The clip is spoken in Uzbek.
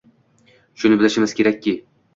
Shuni bilishimiz kerakki,...